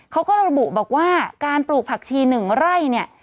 เขาก็ระบุบอกว่าการปลูกผักชี๑ไร่เนี่ย